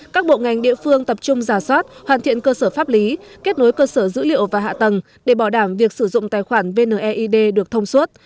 các bộ ngành địa phương tập trung giả soát hoàn thiện cơ sở pháp lý kết nối cơ sở dữ liệu và hạ tầng để bảo đảm việc sử dụng tài khoản vneid được thông suốt